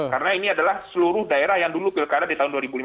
karena ini adalah seluruh daerah yang dulu pilkada di tahun dua ribu lima belas